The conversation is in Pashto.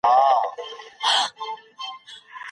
د فکري تنوع او زغم فرهنګ په ځان کي پياوړی کړئ.